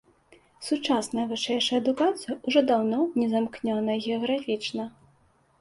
Сучасная вышэйшая адукацыя ўжо даўно не замкнёная геаграфічна.